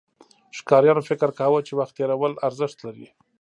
ښکاریانو فکر کاوه، چې وخت تېرول ارزښت لري.